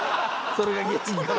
それが原因かな。